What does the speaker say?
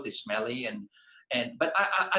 tetapi saya melakukannya karena saya ingin belajar